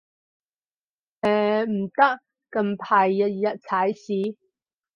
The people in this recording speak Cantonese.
唉，唔得，近排日日踩屎